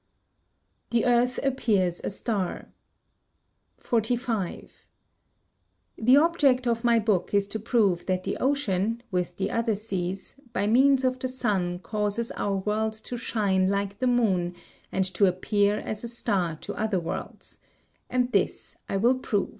[Sidenote: The Earth appears a Star] 45. The object of my book is to prove that the ocean, with the other seas, by means of the sun causes our world to shine like the moon and to appear as a star to other worlds; and this I will prove.